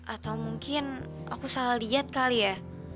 atau mungkin aku salah diet kali ya